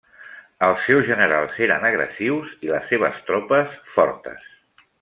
Els seus generals eren agressius i les seves tropes fortes.